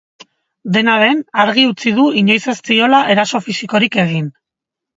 Dena den, argi utzi du inoiz ez ziola eraso fisikorik egin.